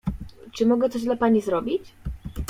Czy mogę coś dla pani zrobić?